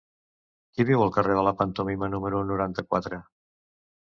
Qui viu al carrer de la Pantomima número noranta-quatre?